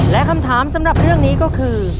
และคำถามสำหรับเรื่องนี้ก็คือ